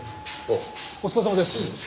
お疲れさまです。